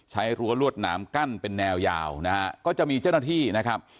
รั้วลวดหนามกั้นเป็นแนวยาวนะฮะก็จะมีเจ้าหน้าที่นะครับ